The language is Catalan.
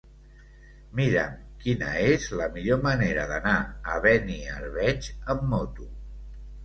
Mira'm quina és la millor manera d'anar a Beniarbeig amb moto.